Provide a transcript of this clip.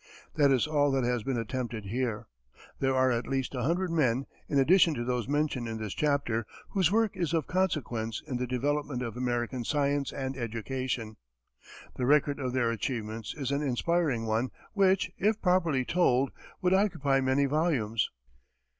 That is all that has been attempted here. There are at least a hundred men, in addition to those mentioned in this chapter, whose work is of consequence in the development of American science and education. The record of their achievements is an inspiring one which, if properly told, would occupy many volumes.